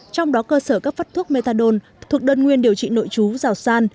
trong đó cơ sở cấp phát thuốc methadone thuộc đơn nguyên điều trị nội chú giảo san